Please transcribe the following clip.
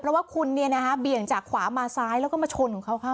เพราะว่าคุณเบี่ยงจากขวามาซ้ายแล้วก็มาชนของเขาเข้า